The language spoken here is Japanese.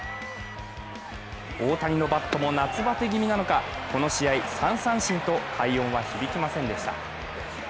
大谷のバットも夏バテ気味なのか、この試合３三振と快音は響きませんでした。